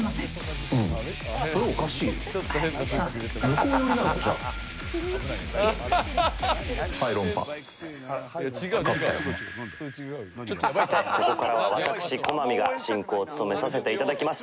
さてここからは私駒見が進行を務めさせて頂きます。